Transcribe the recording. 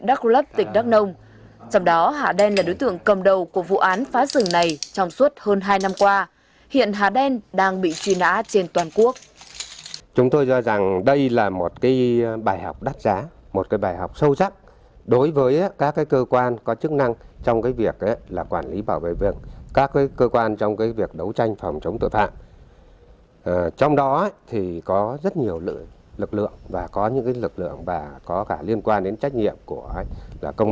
đắc lấp tỉnh đắc nông trong đó hà đen là đối tượng cầm đầu của vụ án phá rừng này trong suốt hơn hai năm qua hiện hà đen đang bị truy nã trên toàn quốc